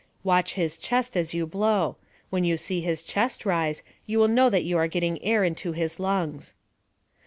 Watch his chest as you blow. When you see his chest rise, you will know that you are getting air into his lungs.